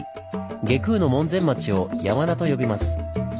外宮の門前町を「山田」と呼びます。